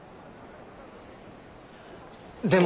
でも。